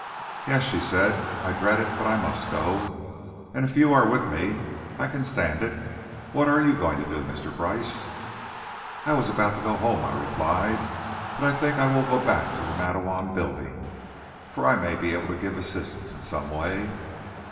"Yes," she said; "I dread it, but I must go. And if you are with me I can stand it. What are you going to do, Mr. Brice?" "I was about to go home," I replied, "but I think I will go back to the Matteawan Building, for I may be able to give assistance in some way."